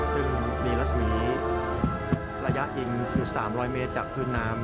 ซึ่งมีรัศมีระยะยิงสู่๓๐๐เมตรจากพื้นน้ำ